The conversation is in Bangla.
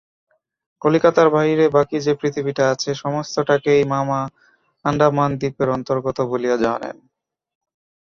কলিকাতার বাহিরে বাকি যে পৃথিবীটা আছে সমস্তটাকেই মামা আণ্ডামান দ্বীপের অন্তর্গত বলিয়া জানেন।